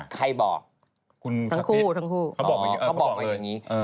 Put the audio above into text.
ใครบอกคุณทั้งคู่ทั้งคู่เขาบอกมาอย่างนี้